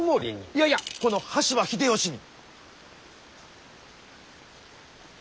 いやいやこの羽柴秀吉に！